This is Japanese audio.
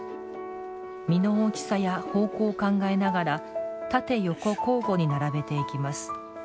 身の大きさや、方向を考えながら縦横交互に並べていきます。